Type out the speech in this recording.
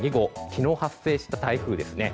昨日発生した台風ですね。